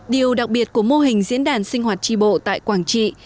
điều đặc biệt của mô hình diễn đàn sinh hoạt tri bộ tại quảng trị